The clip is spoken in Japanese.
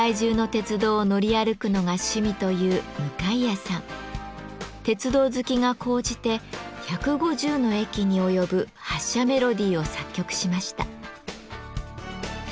鉄道好きが高じて１５０の駅に及ぶ発車メロディーを作曲しました。